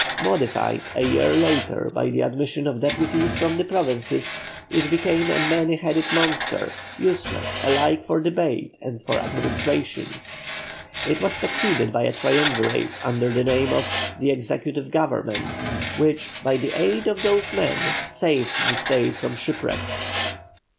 Modified a year later by the admission of deputies from the provinces, it became a many headed monster, useless alike for debate and for administration. It was succeeded by a Triumvirate under the name of "The Executive Government," which, by the aid of those men, saved the State from shipwreck.